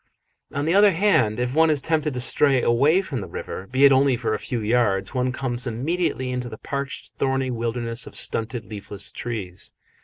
On the other hand, if one is tempted to stray away from the river, be it only for a few yards, one comes immediately into the parched, thorny wilderness of stunted, leafless trees.